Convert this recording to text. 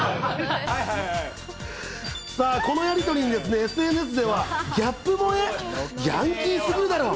さあ、このやり取りにＳＮＳでは、ギャップ萌え、ヤンキーすぎるだろ。